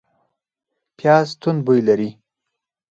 پیاز توند بوی لري